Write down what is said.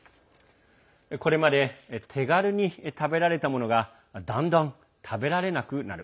これまで手軽に食べられたものがだんだん食べられなくなる。